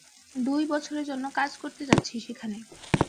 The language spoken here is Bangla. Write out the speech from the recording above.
দুই বছরের জন্য কাজ করতে যাচ্ছি সেখানে।